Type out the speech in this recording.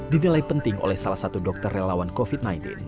dinilai penting oleh salah satu dokter relawan covid sembilan belas